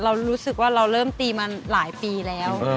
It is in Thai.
เรารู้สึกว่าเราเริ่มตีมาหลายปีแล้ว